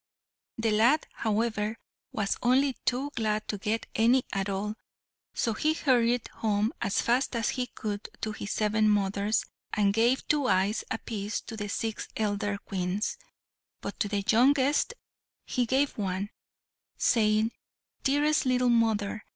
The lad, however, was only too glad to get any at all, so he hurried home as fast as he could to his seven mothers, and gave two eyes apiece to the six elder Queens; but to the youngest he gave one, saying, "Dearest little mother!